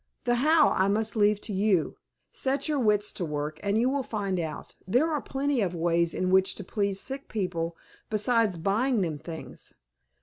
"The how I must leave to you. Set your wits to work, and you will find out. There are plenty of ways in which to please sick people besides buying them things.